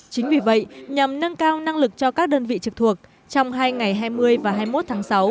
chính vì vậy nhằm nâng cao năng lực cho các đơn vị trực thuộc trong hai ngày hai mươi và hai mươi một tháng sáu